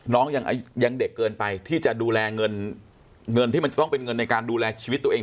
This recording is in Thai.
น้องยังเด็กเกินไปที่จะดูแลเงินเงินที่มันจะต้องเป็นเงินในการดูแลชีวิตตัวเอง